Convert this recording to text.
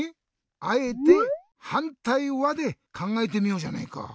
あえて「はんたいは？」でかんがえてみようじゃないか。